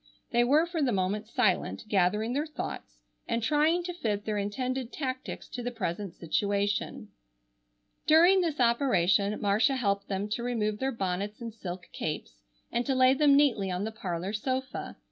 They were for the moment silent, gathering their thoughts, and trying to fit their intended tactics to the present situation. During this operation Marcia helped them to remove their bonnets and silk capes and to lay them neatly on the parlor sofa.